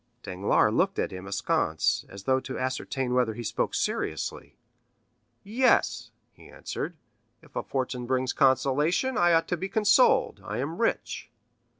Danglars looked at him askance, as though to ascertain whether he spoke seriously. "Yes," he answered, "if a fortune brings consolation, I ought to be consoled; I am rich."